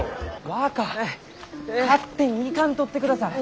若勝手に行かんとってください！